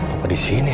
apa di sini ya